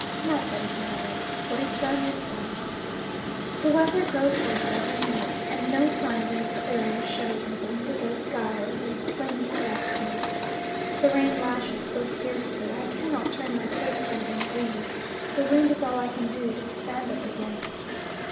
Not that it matters what is done is done. The weather grows worse every minute, and no sign of any clearing shows in the indigo sky or the wind reft mist. The rain lashes so fiercely I cannot turn my face to it and breathe, the wind is all I can do to stand up against.